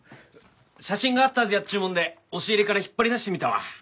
写真があったはずやっちゅうもんで押し入れから引っ張り出してみたわ。